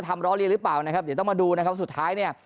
ล้อเรียนหรือเปล่านะครับเดี๋ยวต้องมาดูนะครับสุดท้ายเนี่ย